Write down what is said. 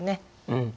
うん。